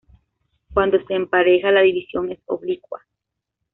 Cuando se empareja, la división es oblicua.